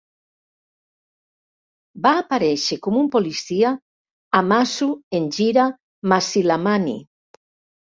Va aparèixer com un policia a "Massu Engira Masilamani".